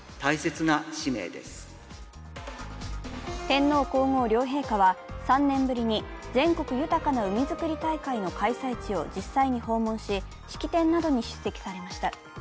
天皇皇后両陛下は３年ぶりに全国豊かな海づくり大会の開催地を実際に訪問し、式典などに出席されました。